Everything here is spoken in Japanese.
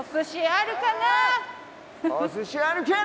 あるかな！